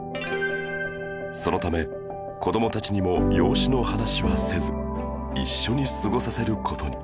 そのため子どもたちにも養子の話はせず一緒に過ごさせる事に